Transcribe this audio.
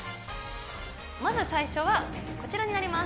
まず最初はこちらになります。